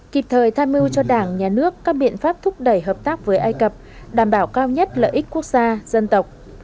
kịp thời tham mưu cho đảng nhà nước các biện pháp thúc đẩy hợp tác với ai cập đảm bảo cao nhất lợi ích quốc gia dân tộc